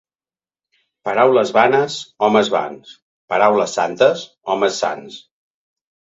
Paraules vanes, homes vans; paraules santes, homes sants.